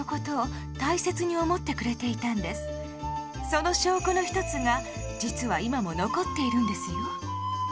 その証拠の一つが実は今も残っているんですよ。